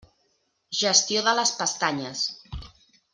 Gestió de les pestanyes.